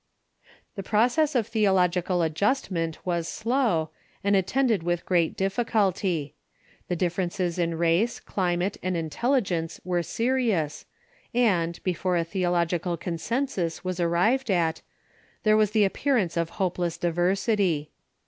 The process of theological adjustment was slow, and attend ed with great difficulty. The differences in race, climate, and intelligence were serious, and, before a theologi Effect of Nicene j consensus Avas arrived at, there was the ap Council ..'..^ pearance of hopeless diversity.